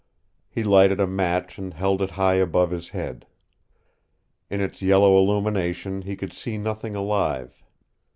He lighted a match and held it high above his head. In its yellow illumination he could see nothing alive.